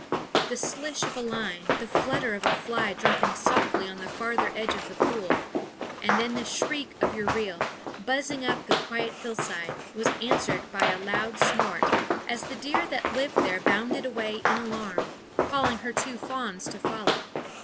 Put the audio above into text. The slish of a line, the flutter of a fly dropping softly on the farther edge of the pool and then the shriek of your reel, buzzing up the quiet hillside, was answered by a loud snort, as the deer that lived there bounded away in alarm, calling her two fawns to follow.